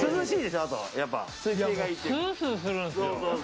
スースーするんですよ。